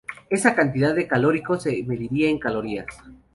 Esa cantidad de calórico se mediría en calorías.